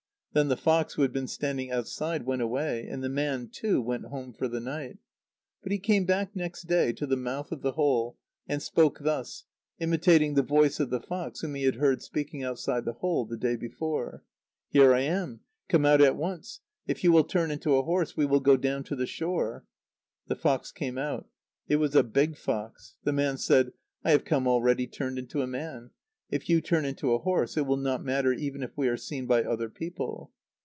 Then the fox who had been standing outside went away, and the man, too, went home for the night. But he came back next day to the mouth of the hole, and spoke thus, imitating the voice of the fox whom he had heard speaking outside the hole the day before: "Here I am. Come out at once! If you will turn into a horse, we will go down to the shore." The fox came out. It was a big fox. The man said: "I have come already turned into a man. If you turn into a horse, it will not matter even if we are seen by other people."